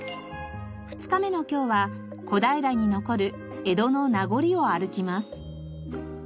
２日目の今日は小平に残る江戸の名残を歩きます。